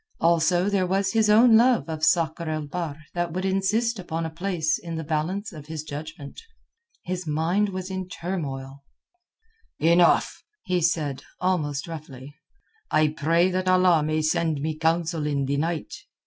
Also there was his own love of Sakr el Bahr that would insist upon a place in the balance of his judgment. His mind was in turmoil. "Enough," he said almost roughly. "I pray that Allah may send me counsel in the night."